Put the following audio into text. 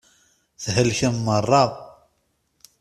Thelkem meṛṛa.